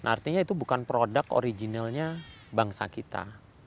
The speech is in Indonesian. artinya itu bukan produk originalnya bangsa kita